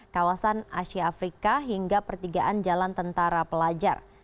kawasan asia afrika hingga pertigaan jalan tentara pelajar